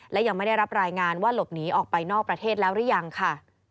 และยังไม่ได้รับรายงานว่าหลบหนีออกไปนอกประเทศแล้วหรือยังค่ะ